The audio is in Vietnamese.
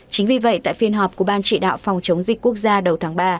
chính vì vậy tại phiên họp của ban chỉ đạo phòng chống dịch quốc gia đầu tháng ba